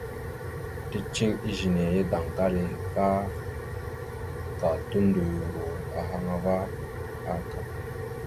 Ticeŋ izəne ya daŋkali ka tondoyoro ahaŋ ava aka.